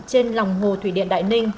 trên lòng hồ thủy điện đại ninh